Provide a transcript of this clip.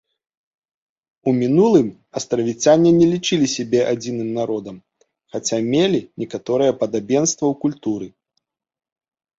У мінулым астравіцяне не лічылі сябе адзіным народам, хаця мелі некаторае падабенства ў культуры.